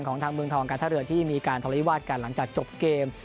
ของทางเมืองทองกาธเรือที่มีการทรวาตกันหลังจากจบเกม